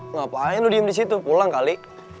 ngapain lu diem disitu pulang kali